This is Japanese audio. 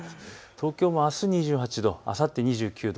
東京もあす２８度、あさって２９度。